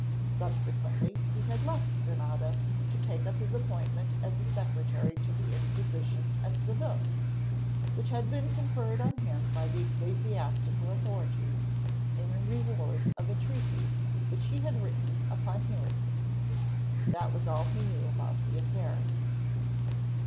Subsequently he had left Granada to take up his appointment as a secretary to the Inquisition at Seville, which had been conferred on him by the ecclesiastical authorities in reward of a treatise which he had written upon heresy. That was all he knew about the affair.